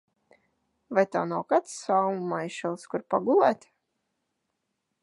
Vai tev nav kāds salmu maišelis, kur pagulēt?